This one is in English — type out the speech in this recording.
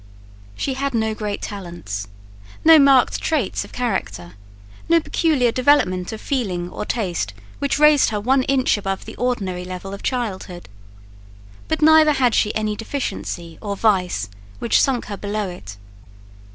She had no great talents, no marked traits of character, no peculiar development of feeling or taste which raised her one inch above the ordinary level of childhood; but neither had she any deficiency or vice which sunk her below it.